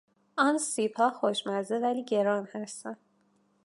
آن سیبها خوشمزه ولی گران هستند.